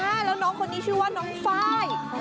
แล้วน้องคนนี้ชื่อว่าน้องไฟล์